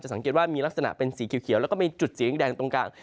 สังเกตว่ามีลักษณะเป็นสีเขียวแล้วก็มีจุดสีแดงตรงกลาง